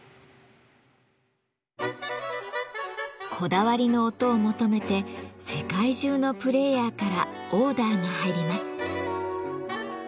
こだわりの音を求めて世界中のプレーヤーからオーダーが入ります。